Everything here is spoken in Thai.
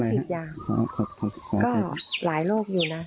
เราไม่ต้องกินยาขอขอบคุณก็หลายโรคอยู่น่ะอ่า